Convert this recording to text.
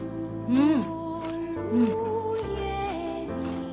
うん。